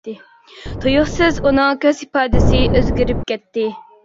تۇيۇقسىز ئۇنىڭ كۆز ئىپادىسى ئۆزگىرىپ كەتتى.